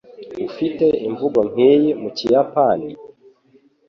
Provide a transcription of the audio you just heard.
Ufite imvugo nk'iyi mu Kiyapani?